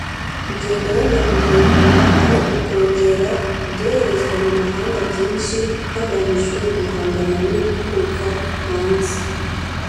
Igihe gahunda ya guverinoma ari ukongera ibyoherezwa mu mahanga byinshi hagamijwe guhangana n’ibituruka hanze